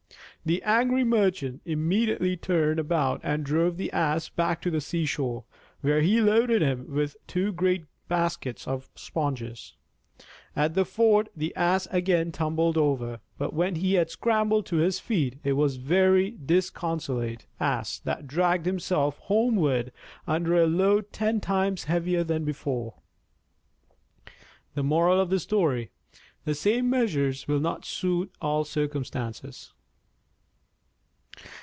The angry Merchant immediately turned about and drove the Ass back to the seashore, where he loaded him with two great baskets of sponges. At the ford the Ass again tumbled over; but when he had scrambled to his feet, it was a very disconsolate Ass that dragged himself homeward under a load ten times heavier than before. _The same measures will not suit all circumstances.